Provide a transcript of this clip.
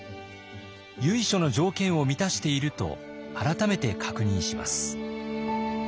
由緒の条件を満たしていると改めて確認します。